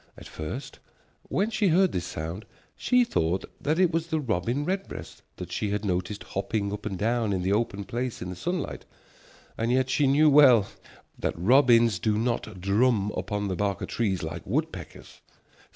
At first when she heard this sound she thought that it was the robin redbreast that she had noticed hopping up and down in the open place in the sunlight, and yet she knew well that robins do not drum upon the bark of trees like woodpeckers.